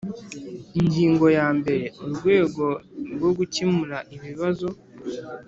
Ingingo ya mbere Urwego rwo gukemura ibibazo